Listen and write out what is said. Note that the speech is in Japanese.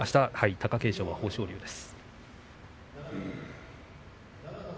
貴景勝はあした豊昇龍です。